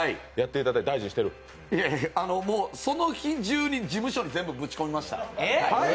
いやいやいや、その日中に事務所に全部ぶち込みました。